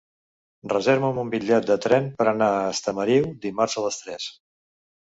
Reserva'm un bitllet de tren per anar a Estamariu dimarts a les tres.